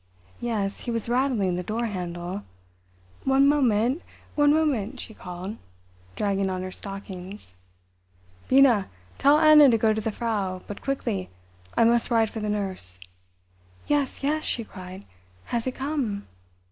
Yes, he was rattling the door handle. "One moment, one moment," she called, dragging on her stockings. "Bina, tell Anna to go to the Frau—but quickly. I must ride for the nurse." "Yes, yes!" she cried. "Has it come?"